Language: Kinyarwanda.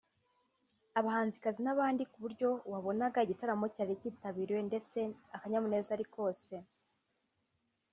abahanzikazi n’ abandi ku buryo wabonaga igitaramo cyari kitabiriwe ndetse akanyamuneza ari kose